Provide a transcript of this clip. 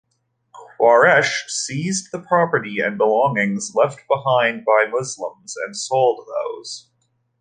Quraysh seized the property and belongings left behind by Muslims and sold those.